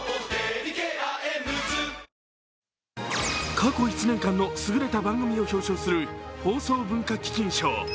過去１年間の優れた番組を表彰する放送文化基金賞。